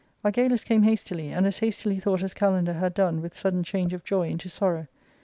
Argalus cameTiastily, and as hastily thought as Kalander had done, with sudden change of joy into sorrow.